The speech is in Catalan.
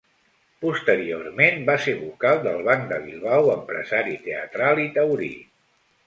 Posteriorment va ser vocal del Banc de Bilbao, empresari teatral i taurí.